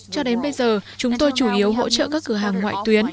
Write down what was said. cho đến bây giờ chúng tôi chủ yếu hỗ trợ các cửa hàng ngoại tuyến